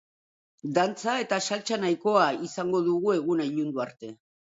Dantza eta saltsa nahikoa izango dugu eguna ilundu arte.